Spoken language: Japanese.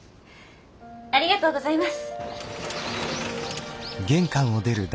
ありがとうございます。